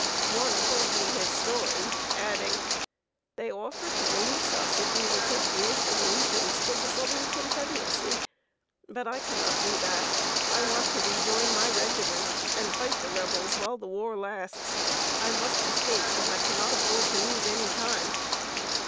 One told me his story, adding: "They offer to release us if we will take the oath of allegiance to the Southern Confederacy; but I cannot do that. I want to rejoin my regiment, and fight the Rebels while the war lasts. I must escape, and I cannot afford to lose any time."